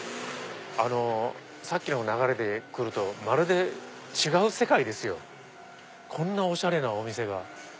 さっきの流れで来るとまるで違う世界ですよ。こんなおしゃれなお店が。